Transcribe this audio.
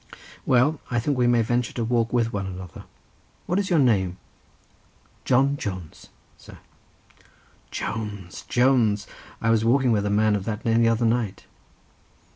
"Well, I think we may venture to walk with one another. What is your name?" "John Jones, sir." "Jones! Jones! I was walking with a man of that name the other night."